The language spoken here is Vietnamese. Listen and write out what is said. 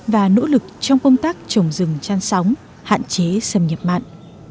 và nỗ lực trong công tác trồng rừng chăn sóng hạn chế sầm nhập mặn